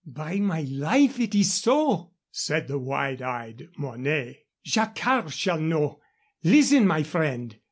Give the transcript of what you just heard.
"By my life, it is so!" said the wide eyed Mornay. "Jacquard shall know. Listen, my friend."